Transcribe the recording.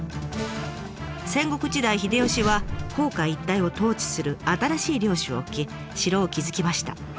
戦国時代秀吉は甲賀一帯を統治する新しい領主を置き城を築きました。